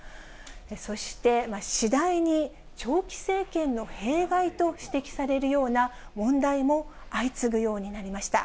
そして次第に、長期政権の弊害と指摘されるような、問題も相次ぐようになりました。